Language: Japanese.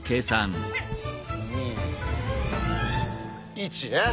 １ね。